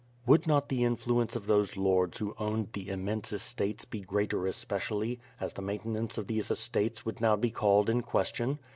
Would not the influence of those lords who owned the im mense estates be greater especially as the maintenance of these estates would now be called in question